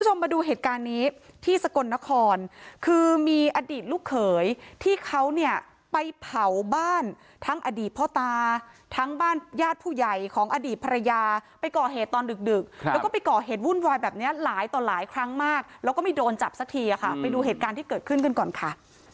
คุณผู้ชมมาดูเหตุการณ์นี้ที่สกลนครคือมีอดีตลูกเขยที่เขาเนี่ยไปเผาบ้านทั้งอดีตพ่อตาทั้งบ้านญาติผู้ใหญ่ของอดีตภรรยาไปก่อเหตุตอนดึกดึกแล้วก็ไปก่อเหตุวุ่นวายแบบเนี้ยหลายต่อหลายครั้งมากแล้วก็ไม่โดนจับสักทีค่ะไปดูเหตุการณ์ที่เกิดขึ้นกันก่อนค่ะ